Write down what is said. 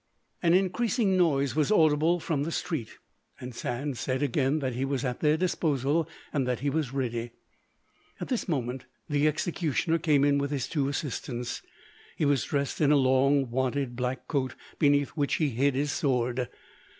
An increasing noise was audible from the street, and Sand said again that he was at their disposal and that he was ready. At this moment the executioner came in with his two assistants; he was dressed in a long wadded black coat, beneath which he hid his sword.